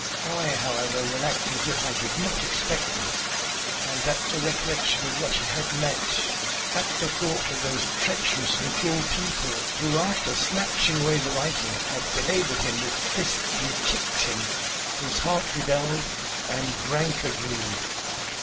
I, however, will act as if I did not expect them." And at the recollection of what he had met at the thought of those treacherous and cruel people who, after snatching away the rifle, had belabored him with fists and kicked him, his heart rebelled and rancor grew.